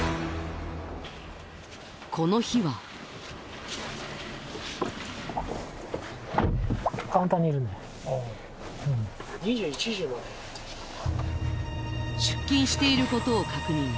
この日は出勤していることを確認